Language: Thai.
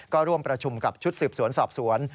ก็ร่วมประชุมกับชุดสืบสวนสอบสวน